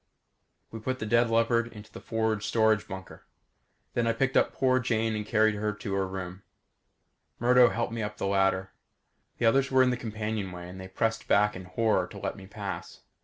We put the dead leopard into the forward storage bunker. Then I picked up poor Jane and carried her to her room. Murdo helped me up the ladder. The others were in the companionway and they pressed back in horror to let me pass.